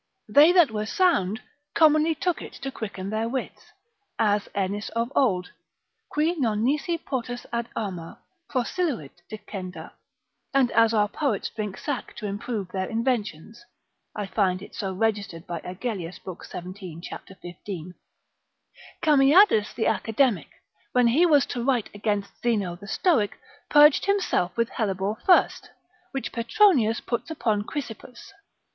They that were sound commonly took it to quicken their wits, (as Ennis of old, Qui non nisi potus ad arma—prosiluit dicenda, and as our poets drink sack to improve their inventions (I find it so registered by Agellius lib. 17. cap. 15.) Cameades the academic, when he was to write against Zeno the stoic, purged himself with hellebore first, which Petronius puts upon Chrysippus.